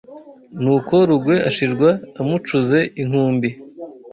n’uko Rugwe ashirwa amucuze inkumbi